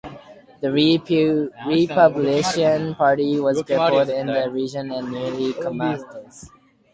The Republican Party was crippled in the region and nearly comatose.